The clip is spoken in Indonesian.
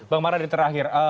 bang mara di terakhir